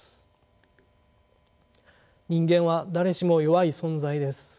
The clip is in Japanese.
人間は誰しも弱い存在です。